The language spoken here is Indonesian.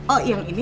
oh yang ini